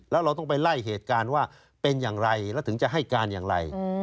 แล้วเราต้องไปไล่เหตุการณ์ว่าเป็นอย่างไรแล้วถึงจะให้การอย่างไร